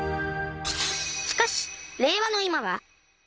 しかし令和の今は